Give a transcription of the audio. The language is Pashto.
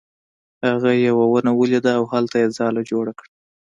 هغه یوه ونه ولیده او هلته یې ځاله جوړه کړه.